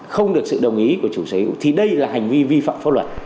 không được sự đồng ý của chủ sở hữu thì đây là hành vi vi phạm pháp luật